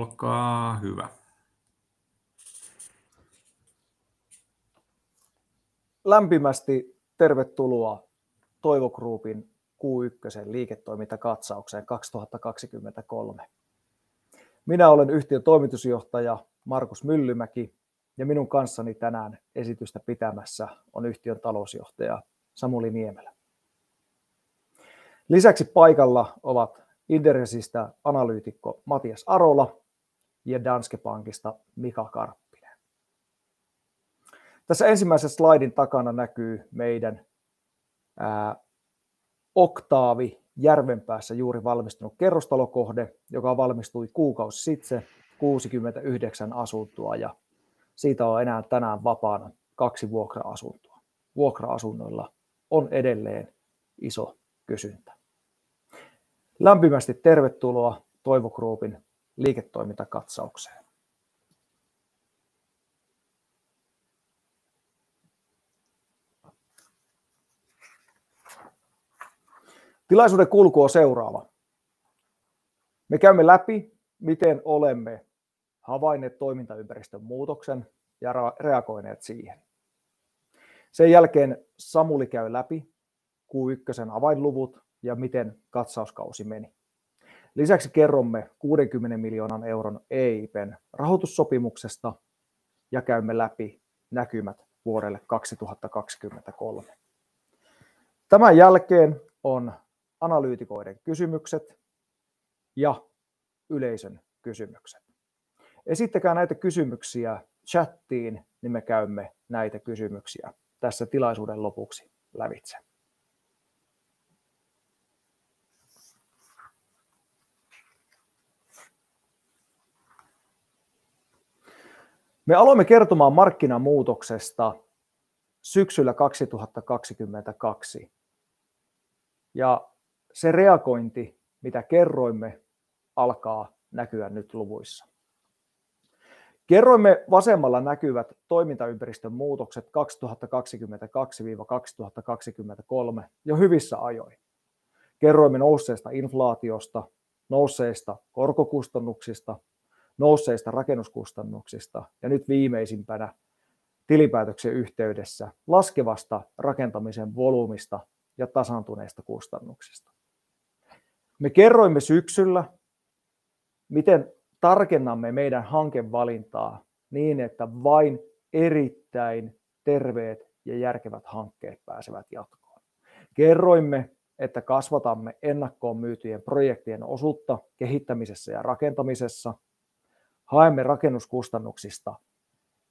Olkaa hyvä. Lämpimästi tervetuloa Toivo Groupin q ykkösen liiketoimintakatsaukseen 2023. Minä olen yhtiön Toimitusjohtaja Markus Myllymäki ja minun kanssani tänään esitystä pitämässä on yhtiön Talousjohtaja Samuli Niemelä. Paikalla ovat Inderesistä Analyytikko Matias Arola ja Danske Bankista Mika Karppinen. Tässä ensimmäisen slaidin takana näkyy meidän Oktaavi Järvenpäässä juuri valmistunut kerrostalokohde, joka valmistui kuukausi sitten. 69 asuntoa ja siitä on enää tänään vapaana 2 vuokra-asuntoa. Vuokra-asunnoilla on edelleen iso kysyntä. Lämpimästi tervetuloa Toivo Groupin liiketoimintakatsaukseen. Tilaisuuden kulku on seuraava. Me käymme läpi, miten olemme havainneet toimintaympäristön muutoksen ja reagoineet siihen. Samuli käy läpi q ykkösen avainluvut ja miten katsauskausi meni. Kerromme EUR 60 miljoonan EIB:n rahoitussopimuksesta ja käymme läpi näkymät vuodelle 2023. On analyytikoiden kysymykset ja yleisön kysymykset. Esittäkää näitä kysymyksiä chatiin, niin me käymme näitä kysymyksiä tässä tilaisuuden lopuksi lävitse. Me aloimme kertomaan markkinamuutoksesta syksyllä 2022, ja se reagointi, mitä kerroimme, alkaa näkyä nyt luvuissa. Kerroimme vasemmalla näkyvät toimintaympäristön muutokset 2022-2023 jo hyvissä ajoin. Kerroimme nousseesta inflaatiosta, nousseista korkokustannuksista, nousseista rakennuskustannuksista ja nyt viimeisimpänä tilinpäätöksen yhteydessä laskevasta rakentamisen volyymista ja tasaantuneista kustannuksista. Me kerroimme syksyllä, miten tarkennamme meidän hankevalintaa niin, että vain erittäin terveet ja järkevät hankkeet pääsevät jatkoon. Kerroimme, että kasvatamme ennakkoon myytyjen projektien osuutta kehittämisessä ja rakentamisessa. Haemme rakennuskustannuksista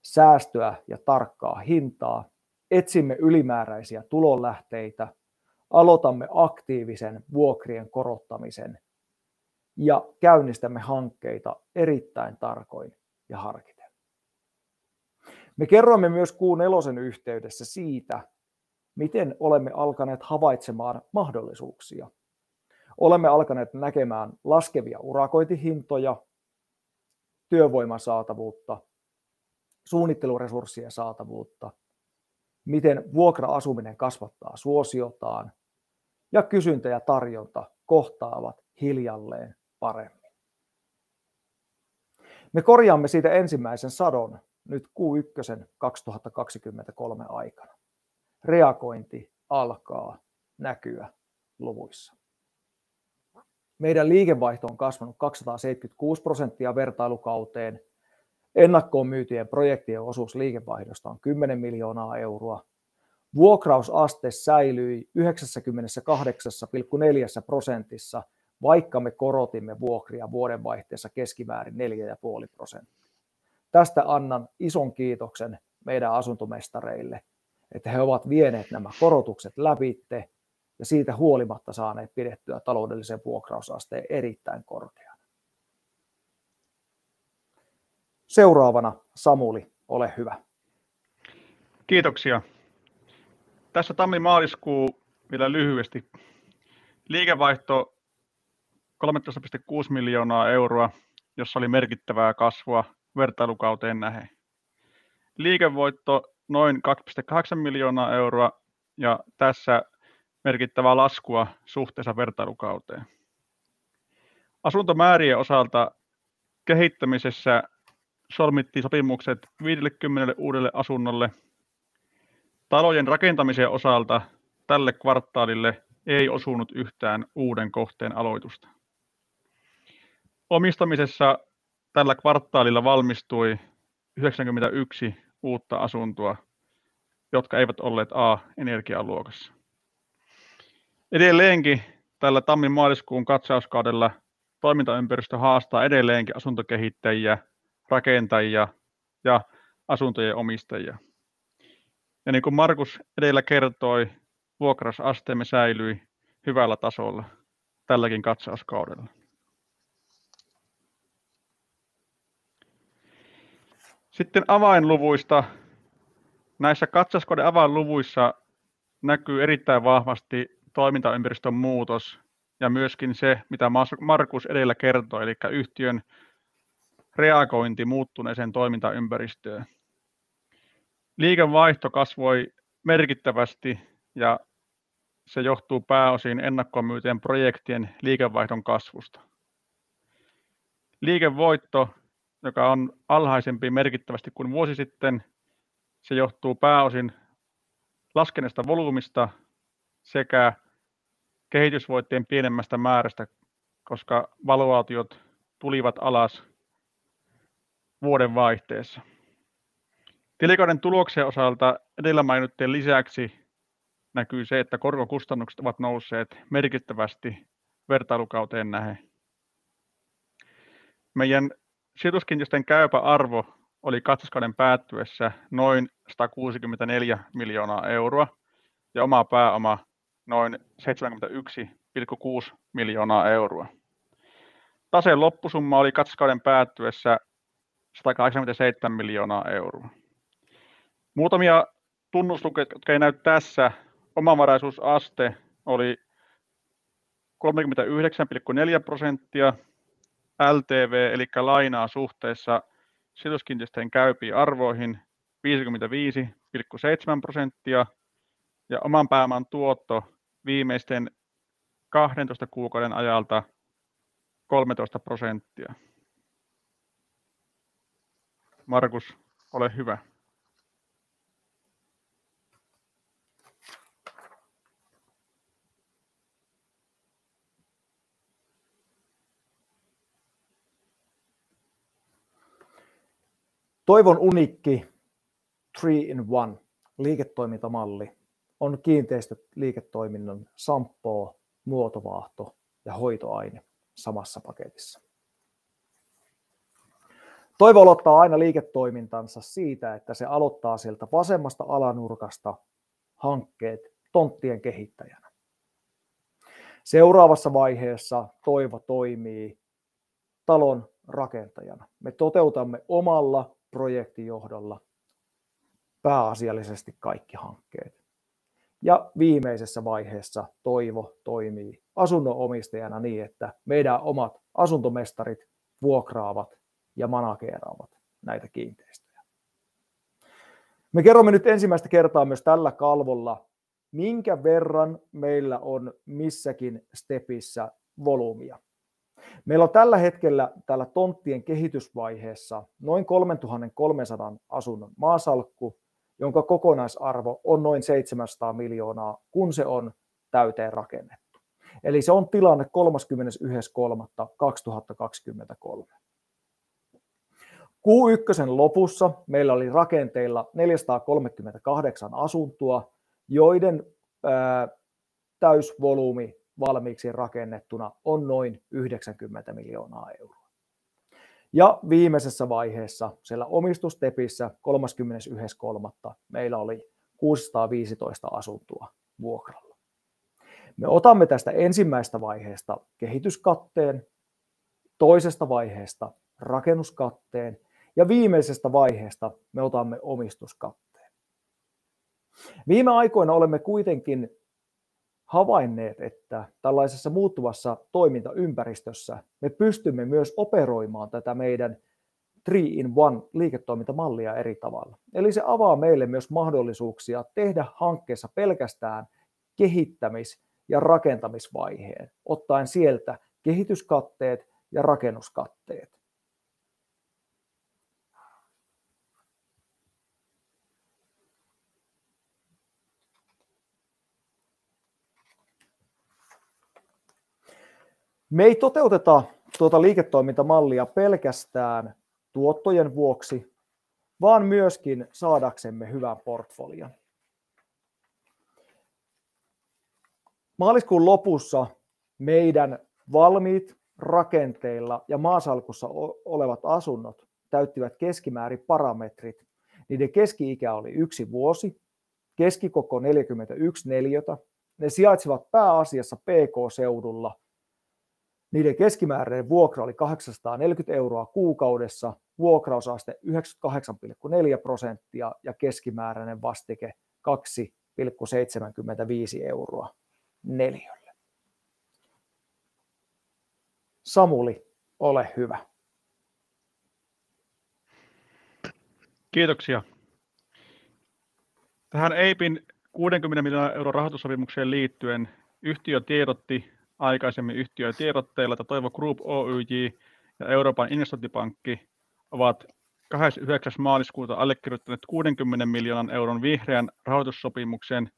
säästöä ja tarkkaa hintaa. Etsimme ylimääräisiä tulonlähteitä. Aloitamme aktiivisen vuokrien korottamisen ja käynnistämme hankkeita erittäin tarkoin ja harkiten. Me kerroimme myös Q4:n yhteydessä siitä, miten olemme alkaneet havaitsemaan mahdollisuuksia. Olemme alkaneet näkemään laskevia urakointihintoja, työvoiman saatavuutta, suunnitteluresurssien saatavuutta, miten vuokra-asuminen kasvattaa suosiotaan ja kysyntä ja tarjonta kohtaavat hiljalleen paremmin. Me korjaamme siitä ensimmäisen sadon nyt Q1:n 2023 aikana. Reagointi alkaa näkyä luvuissa. Meidän liikevaihto on kasvanut 276% vertailukauteen. Ennakkoon myytyjen projektien osuus liikevaihdosta on EUR 10 million. Vuokrausaste säilyi 98.4 prosentissa, vaikka me korotimme vuokria vuodenvaihteessa keskimäärin 4.5%. Tästä annan ison kiitoksen meidän Asuntomestareille, että he ovat vieneet nämä korotukset lävitse ja siitä huolimatta saaneet pidettyä taloudellisen vuokrausasteen erittäin korkeana. Seuraavana Samuli, ole hyvä. Kiitoksia! Tässä tammi maaliskuu vielä lyhyesti. Liikevaihto EUR 13.6 million, jossa oli merkittävää kasvua vertailukauteen nähden. Liikevoitto noin EUR 2.8 million ja tässä merkittävää laskua suhteessa vertailukauteen. Asuntomäärien osalta kehittämisessä solmittiin sopimukset 50 uudelle asunnolle. Talojen rakentamisen osalta tälle kvartaalille ei osunut yhtään uuden kohteen aloitusta. Omistamisessa tällä kvartaalilla valmistui 91 uutta asuntoa, jotka eivät olleet A-energialuokassa. Edelleenkin tällä tammi maaliskuun katsauskaudella toimintaympäristö haastaa edelleenkin asuntokehittäjiä, rakentajia ja asuntojen omistajia. Niin kuin Markus edellä kertoi, vuokrausasteemme säilyi hyvällä tasolla tälläkin katsauskaudella. Avainluvuista. Näissä katsauskauden avainluvuissa näkyy erittäin vahvasti toimintaympäristön muutos ja myöskin se, mitä Markus edellä kertoi, eli yhtiön reagointi muuttuneeseen toimintaympäristöön. Liikevaihto kasvoi merkittävästi ja se johtuu pääosin ennakkoon myytyjen projektien liikevaihdon kasvusta. Liikevoitto, joka on alhaisempi merkittävästi kuin vuosi sitten. Se johtuu pääosin laskeneesta volyymista sekä kehitysvoittojen pienemmästä määrästä, koska valuaatiot tulivat alas vuodenvaihteessa. Tilikauden tuloksen osalta edellä mainittujen lisäksi näkyy se, että korkokustannukset ovat nousseet merkittävästi vertailukauteen nähden. Meidän sijoituskiinteistöjen käypä arvo oli katsauskauden päättyessä noin EUR 164 miljoonaa ja oma pääoma noin EUR 71.6 miljoonaa. Taseen loppusumma oli katsauskauden päättyessä EUR 187 miljoonaa. Muutamia tunnuslukuja, jotka ei näy tässä. Omavaraisuusaste oli 39.4%. LTV eli lainaa suhteessa sijoituskiinteistöjen käypiin arvoihin 55.7%. Oman pääoman tuotto viimeisten 12 kuukauden ajalta 13%. Markus, ole hyvä. Toivon uniikki three in one liiketoimintamalli on kiinteistöliiketoiminnan sampoo, muotovaahto ja hoitoaine samassa paketissa. Toivo aloittaa aina liiketoimintansa siitä, että se aloittaa sieltä vasemmasta alanurkasta hankkeet tonttien kehittäjänä. Seuraavassa vaiheessa Toivo toimii talonrakentajana. Me toteutamme omalla projektijohdolla pääasiallisesti kaikki hankkeet. Viimeisessä vaiheessa Toivo toimii asunnonomistajana niin, että meidän omat Asuntomestarit vuokraavat ja manageeraavat näitä kiinteistöjä. Me kerromme nyt ensimmäistä kertaa myös tällä kalvolla, minkä verran meillä on missäkin stepissä volyymia. Meillä on tällä hetkellä täällä tonttien kehitysvaiheessa noin 3,300 asunnon maasalkku, jonka kokonaisarvo on noin EUR 700 million, kun se on täyteen rakennettu. Se on tilanne 31st March 2023. Q1:n lopussa meillä oli rakenteilla 438 asuntoa, joiden täysvolyymi valmiiksi rakennettuna on noin EUR 90 million. Viimeisessä vaiheessa siellä omistusstepissä 31st March meillä oli 615 asuntoa vuokralla. Me otamme tästä ensimmäisestä vaiheesta kehityskatteen, toisesta vaiheesta rakennuskatteen ja viimeisestä vaiheesta me otamme omistuskatteen. Viime aikoina olemme kuitenkin havainneet, että tällaisessa muuttuvassa toimintaympäristössä me pystymme myös operoimaan tätä meidän three in one liiketoimintamallia eri tavalla. Se avaa meille myös mahdollisuuksia tehdä hankkeessa pelkästään kehittämis- ja rakentamisvaiheen ottaen sieltä kehityskatteet ja rakennuskatteet. Me ei toteuteta tuota liiketoimintamallia pelkästään tuottojen vuoksi, vaan myöskin saadaksemme hyvän portfolion. Maaliskuun lopussa meidän valmiit rakenteilla ja maasalkussa olevat asunnot täyttivät keskimäärin parametrit. Niiden keski-ikä oli 1 vuosi, keskikoko 41 neliötä. Ne sijaitsivat pääasiassa PK-seudulla. Niiden keskimääräinen vuokra oli EUR 840 kuukaudessa. Vuokrausaste 98.4% ja keskimääräinen vastike EUR 2.75 neliölle. Samuli, ole hyvä. Kiitoksia! Tähän EIBin EUR 60 miljoonan rahoitussopimukseen liittyen yhtiö tiedotti aikaisemmin yhtiötiedotteella, että Toivo Group Oyj ja Euroopan investointipankki ovat 29. maaliskuuta allekirjoittaneet EUR 60 miljoonan vihreän rahoitussopimuksen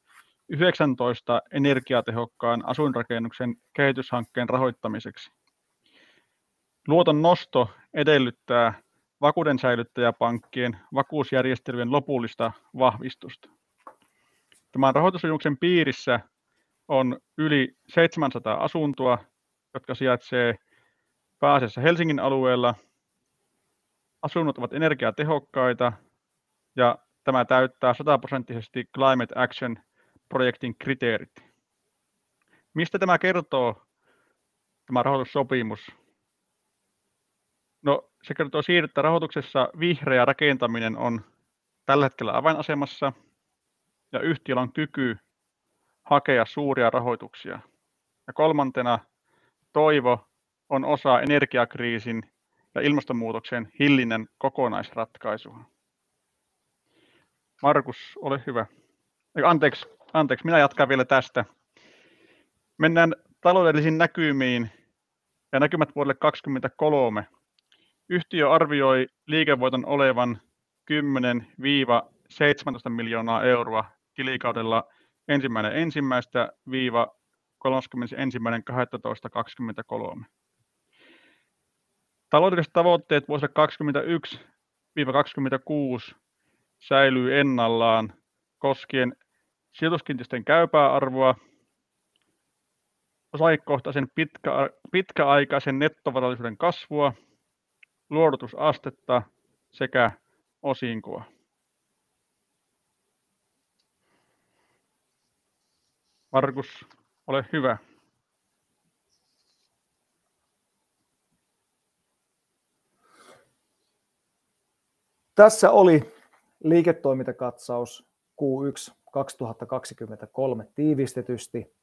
19 energiatehokkaan asuinrakennuksen kehityshankkeen rahoittamiseksi. Luoton nosto edellyttää vakuudensäilyttäjäpankkien vakuusjärjestelyjen lopullista vahvistusta. Tämän rahoitussitoumuksen piirissä on yli 700 asuntoa, jotka sijaitsee pääasiassa Helsingin alueella. Asunnot ovat energiatehokkaita ja tämä täyttää 100-prosenttisesti Climate Action projektin kriteerit. Mistä tämä kertoo tämä rahoitussopimus? Se kertoo siitä, että rahoituksessa vihreä rakentaminen on tällä hetkellä avainasemassa. Ja yhtiön on kyky hakea suuria rahoituksia. Kolmantena Toivo on osa energiakriisin ja ilmastonmuutoksen hillinnän kokonaisratkaisua. Markus, ole hyvä. Ei kun anteeks, minä jatkan vielä tästä. Mennään taloudellisiin näkymiin ja näkymät vuodelle 2023. Yhtiö arvioi liikevoiton olevan EUR 10-17 miljoonaa tilikaudella 1/1-31/12/2023. Taloudelliset tavoitteet vuosille 2021-2026 säilyy ennallaan koskien sijoituskiinteistöjen käypää arvoa, osakekohtaisen pitkäaikaisen nettovarallisuuden kasvua, luovutusastetta sekä osinkoa. Markus, ole hyvä. Tässä oli liiketoimintakatsaus Q1 2023 tiivistetysti.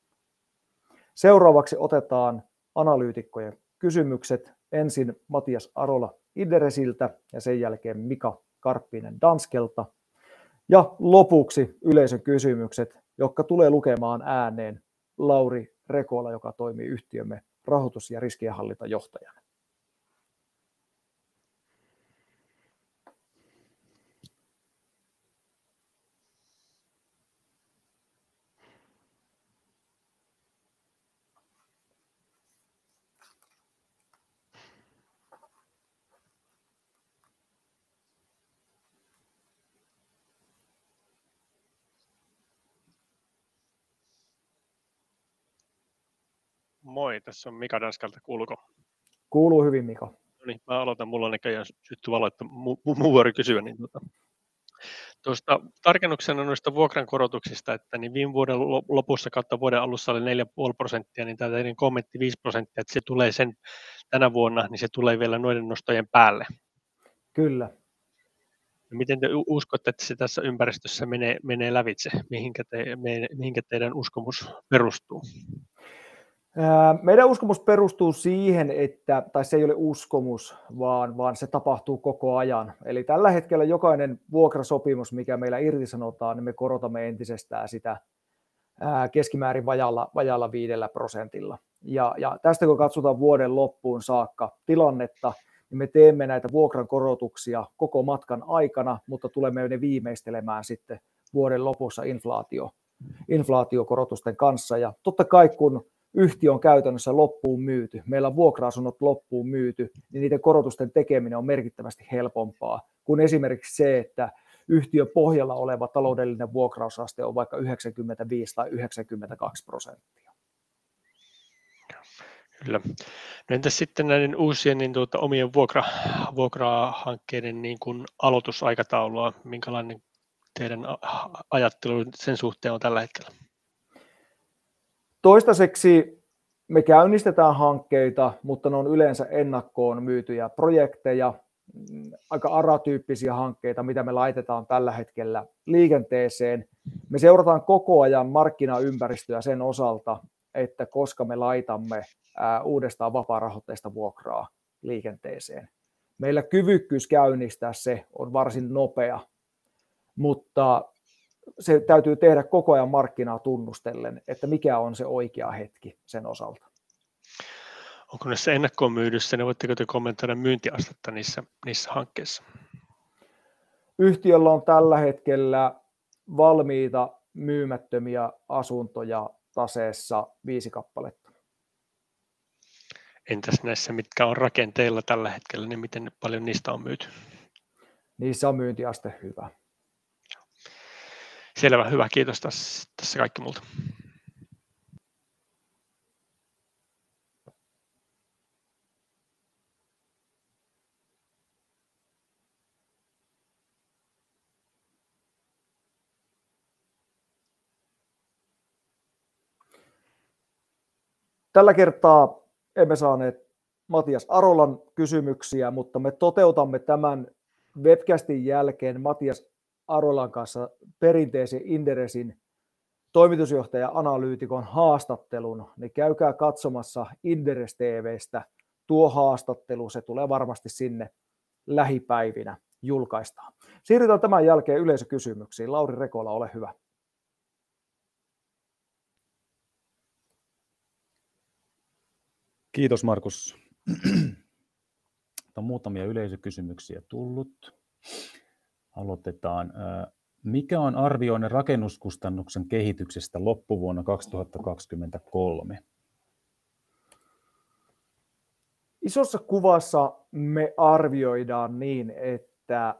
Seuraavaksi otetaan analyytikkojen kysymykset. Ensin Matias Arola Inderesiltä ja sen jälkeen Mika Karppinen Danskelta. Lopuksi yleisökysymykset, jotka tulee lukemaan ääneen Lauri Rekola, joka toimii yhtiömme Rahoitus- ja riskienhallintajohtajana. Moi, tässä on Mika Danskelta. Kuuluuko? Kuuluu hyvin Mika. No ni. Mä alotan. Mulla on näköjään sytty valo, että mun vuoro kysyä niin tota. Tuosta tarkennuksena noista vuokrankorotuksista, että niin viime vuoden lopussa kautta vuoden alussa oli 4.5%. Tää teidän kommentti 5%, että se tulee sen tänä vuonna, se tulee vielä noiden nostojen päälle. Kyllä. Miten te uskotte, että se tässä ympäristössä menee lävitse? Mihinkä te, mihinkä teidän uskomus perustuu? Meidän uskomus perustuu siihen, että. Tai se ei ole uskomus, vaan se tapahtuu koko ajan. Eli tällä hetkellä jokainen vuokrasopimus, mikä meillä irtisanotaan, niin me korotamme entisestään sitä keskimäärin vajaalla 5 prosentilla. Tästä kun katsotaan vuoden loppuun saakka tilannetta, niin me teemme näitä vuokrankorotuksia koko matkan aikana, mutta tulemme ne viimeistelemään sitten vuoden lopussa. Inflaatiokorotusten kanssa. Totta kai, kun yhtiö on käytännössä loppuunmyyty, meillä on vuokra-asunnot loppuunmyyty, niin niiden korotusten tekeminen on merkittävästi helpompaa kuin esimerkiksi se, että yhtiön pohjalla oleva taloudellinen vuokrausaste on vaikka 95 tai 92 prosenttia. Kyllä. No entäs sitten näiden uusien omien vuokrahankkeiden niin kuin aloitusaikataulua? Minkälainen teidän ajattelu sen suhteen on tällä hetkellä? Toistaiseksi me käynnistetään hankkeita, ne on yleensä ennakkoon myytyjä projekteja. Aika ARA-tyyppisiä hankkeita, mitä me laitetaan tällä hetkellä liikenteeseen. Me seurataan koko ajan markkinaympäristöä sen osalta, että koska me laitamme uudestaan vapaarahoitteista vuokraa liikenteeseen. Meillä kyvykkyys käynnistää se on varsin nopea, se täytyy tehdä koko ajan markkinaa tunnustellen, että mikä on se oikea hetki sen osalta. Onko näissä ennakkoon myydyssä, niin voitteko te kommentoida myyntiasetta niissä hankkeissa? Yhtiöllä on tällä hetkellä valmiita myymättömiä asuntoja taseessa viisi kappaletta. Entäs näissä mitkä on rakenteilla tällä hetkellä, niin miten paljon niistä on myyty? Niissä on myyntiaste hyvä. Joo. Selvä. Hyvä, kiitos. Tässä kaikki multa. Tällä kertaa emme saaneet Matias Arolan kysymyksiä, mutta me toteutamme tämän webcastin jälkeen Matias Arolan kanssa perinteisen Inderesin toimitusjohtaja analyytikon haastattelun. Käykää katsomassa inderesTVstä tuo haastattelu. Se tulee varmasti sinne lähipäivinä julkaistaan. Siirrytään tämän jälkeen yleisökysymyksiin. Lauri Rekola, ole hyvä. Kiitos Markus. On muutamia yleisökysymyksiä tullut. Aloitetaan. Mikä on arvionne rakennuskustannuksen kehityksestä loppuvuonna 2023? Isossa kuvassa me arvioidaan niin, että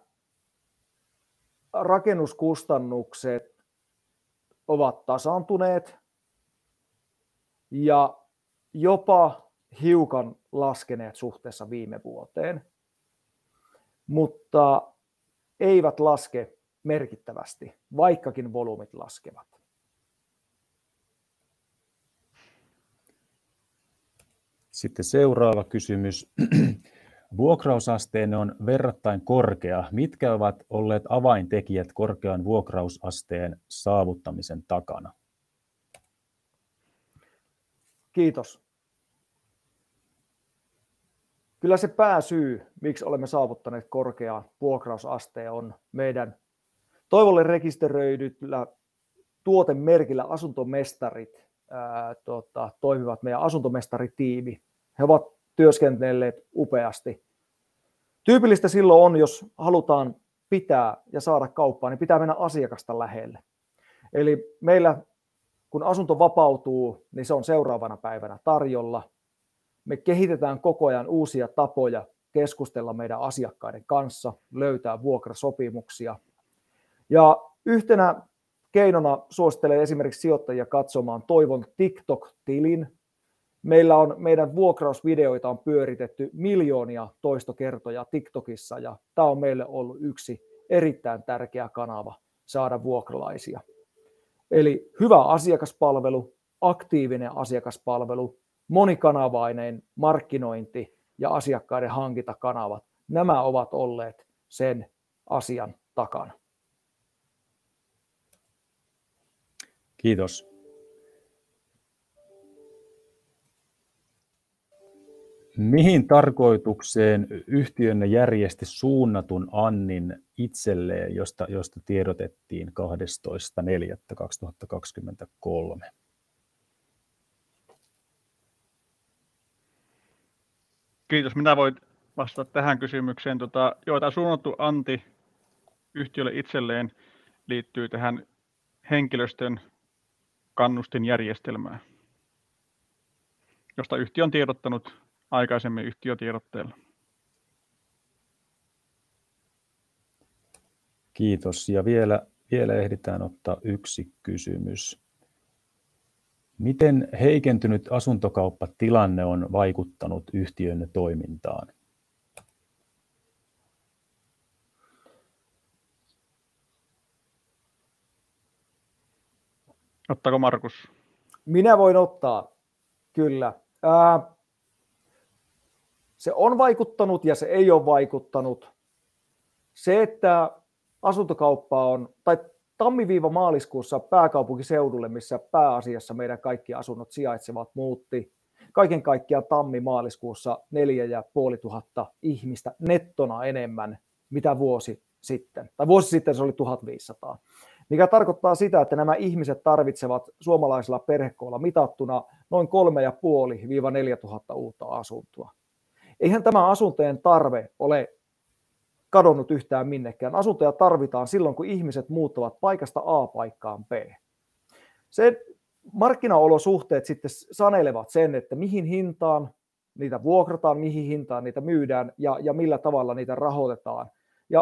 rakennuskustannukset ovat tasaantuneet ja jopa hiukan laskeneet suhteessa viime vuoteen, mutta eivät laske merkittävästi, vaikkakin volyymit laskevat. Seuraava kysymys. Vuokrausasteenne on verrattain korkea. Mitkä ovat olleet avaintekijät korkean vuokrausasteen saavuttamisen takana? Kiitos! Kyllä se pääsyy miksi olemme saavuttaneet korkean vuokrausasteen on meidän Toivolle rekisteröidyllä tuotemerkillä Asuntomestarit, toimivat meidän Asuntomestari tiimi. He ovat työskennelleet upeasti. Tyypillistä silloin on jos halutaan pitää ja saada kauppaa, niin pitää mennä asiakasta lähelle. Eli meillä kun asunto vapautuu niin se on seuraavana päivänä tarjolla. Me kehitetään koko ajan uusia tapoja keskustella meidän asiakkaiden kanssa, löytää vuokrasopimuksia. Yhtenä keinona suosittelen esimerkiksi sijoittajia katsomaan Toivon TikTok tilin. Meillä on meidän vuokrausvideoita on pyöritetty miljoonia toistokertoja TikTokissa ja tää on meille ollut yksi erittäin tärkeä kanava saada vuokralaisia. Hyvä asiakaspalvelu, aktiivinen asiakaspalvelu, monikanavainen markkinointi ja asiakkaiden hankintakanavat. Nämä ovat olleet sen asian takana. Kiitos. Mihin tarkoitukseen yhtiönne järjesti suunnatun annin itselleen, josta tiedotettiin 12th April 2023? Kiitos! Minä voin vastata tähän kysymykseen. Tää suunnattu anti yhtiölle itselleen liittyy tähän henkilöstön kannustinjärjestelmään, josta yhtiö on tiedottanut aikaisemmin yhtiötiedotteella. Kiitos! Vielä ehditään ottaa yksi kysymys. Miten heikentynyt asuntokauppatilanne on vaikuttanut yhtiönne toimintaan? Ottaako Markus? Minä voin ottaa. Kyllä. Se on vaikuttanut ja se ei oo vaikuttanut. Se, että asuntokauppa on tai January-March pääkaupunkiseudulle, missä pääasiassa meidän kaikki asunnot sijaitsevat, muutti kaiken kaikkiaan January-March 4,500 ihmistä nettona enemmän mitä vuosi sitten. Vuosi sitten se oli 1,500. Mikä tarkoittaa sitä, että nämä ihmiset tarvitsevat suomalaisella perhekoilla mitattuna noin 3,500-4,000 uutta asuntoa. Eihän tämä asuntojen tarve ole kadonnut yhtään minnekään. Asuntoja tarvitaan silloin, kun ihmiset muuttavat paikasta A paikkaan B. Se markkinaolosuhteet sitten sanelevat sen, että mihin hintaan niitä vuokrataan, mihin hintaan niitä myydään ja millä tavalla niitä rahoitetaan.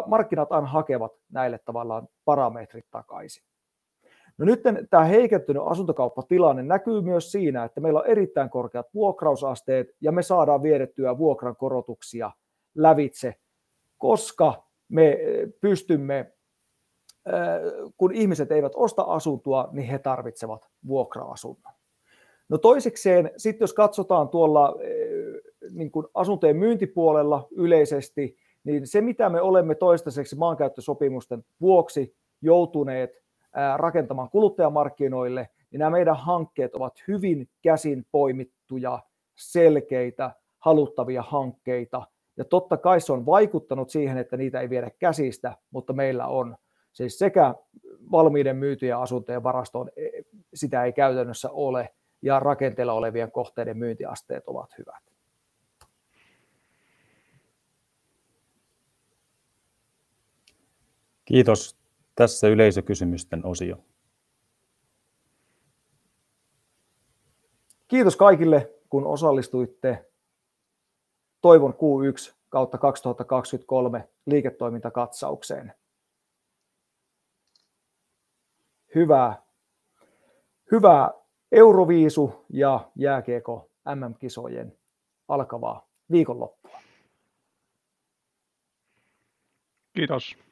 Markkinat aina hakevat näille tavallaan parametrit takaisin. Nytten tää heikentynyt asuntokauppatilanne näkyy myös siinä, että meillä on erittäin korkeat vuokrausasteet ja me saadaan vietyä vuokrankorotuksia lävitse, koska me pystymme, kun ihmiset eivät osta asuntoa, niin he tarvitsevat vuokra-asunnon. Toisekseen sitten jos katsotaan tuolla, niin kun asuntojen myyntipuolella yleisesti, niin se mitä me olemme toistaiseksi maankäyttösopimusten vuoksi joutuneet rakentamaan kuluttajamarkkinoille, niin nämä meidän hankkeet ovat hyvin käsinpoimittuja, selkeitä, haluttavia hankkeita ja totta kai se on vaikuttanut siihen, että niitä ei viedä käsistä. Meillä on siis sekä valmiiden myytyjen asuntojen varastoon. Sitä ei käytännössä ole ja rakenteilla olevien kohteiden myyntiasteet ovat hyvät. Kiitos! Tässä yleisökysymysten osio. Kiitos kaikille, kun osallistuitte Toivon Q1 kautta 2023 liiketoimintakatsaukseen. Hyvää Euroviisu ja jääkiekko MM kisojen alkavaa viikonloppua. Kiitos!